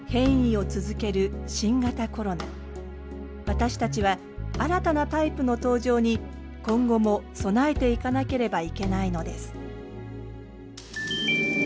私たちは新たなタイプの登場に今後も備えていかなければいけないのです。